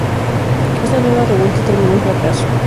Esta nueva revuelta terminó en fracaso.